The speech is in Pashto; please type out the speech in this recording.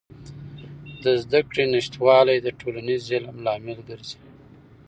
د زدهکړې نشتوالی د ټولنیز ظلم لامل ګرځي.